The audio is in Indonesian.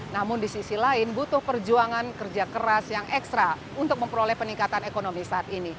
namun di sisi lain butuh perjuangan kerja keras yang ekstra untuk memperoleh peningkatan ekonomi saat ini